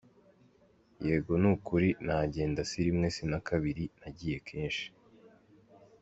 Yego ni ukuri nagenda si rimwe si na kabiri nagiye kenshi.